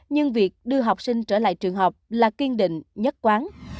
nhưng việc đưa học sinh trở lại trường học là kiên định nhất quán